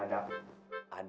ada sesuatu yang tidak terjadi